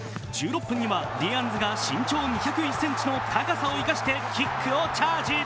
１６分にはディアンズが身長２０１ｃｍの高さを生かしてキックをチャージ。